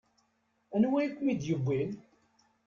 Anwa i kem-id-iwwin?